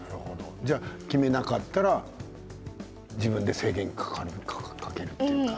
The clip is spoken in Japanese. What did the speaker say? じゃあ決めなかったら自分で制限かけるの？